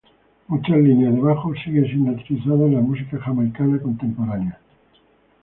Muchas líneas de bajo siguen siendo utilizadas en la música jamaicana contemporánea.